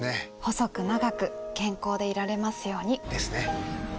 細く長く健康でいられますように。ですね。